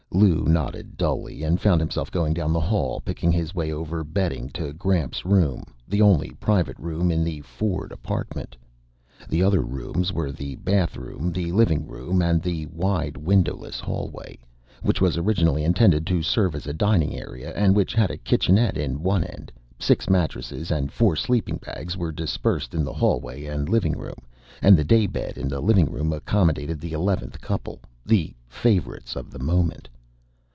Lou nodded dully and found himself going down the hall, picking his way over bedding to Gramps' room, the only private room in the Ford apartment. The other rooms were the bathroom, the living room and the wide windowless hallway, which was originally intended to serve as a dining area, and which had a kitchenette in one end. Six mattresses and four sleeping bags were dispersed in the hallway and living room, and the daybed, in the living room, accommodated the eleventh couple, the favorites of the moment.